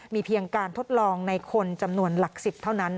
มีเพียงการทดลองในคนจำนวนหลัก๑๐เท่านั้น